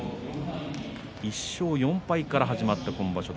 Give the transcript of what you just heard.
１勝４敗から始まった今場所。